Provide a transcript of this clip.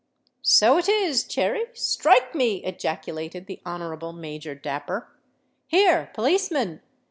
"So it is, Cherry—strike me!" ejaculated the Honourable Major Dapper. "Here, policeman!